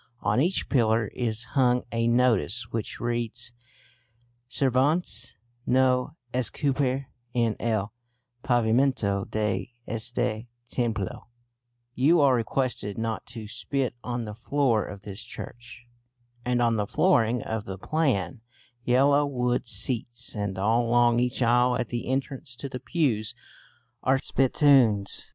On each pillar is hung a notice which reads: "Sirvanse no Escupir en el Pavimento de este Templo" ("You are requested not to spit on the floor of this church"), and on the flooring of the plain yellow wood seats, and all along each aisle at the entrance to the pews, are spittoons!